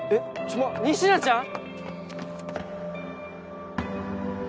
ちょ仁科ちゃん？